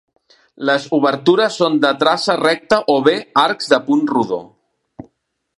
Les obertures són de traça recta o bé arcs de punt rodó.